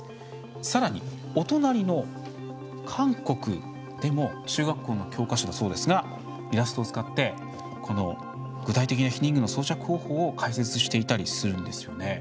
さらに、お隣の韓国でも中学校の教科書がそうですがイラストを使って具体的な避妊具の装着方法を解説していたりするんですね。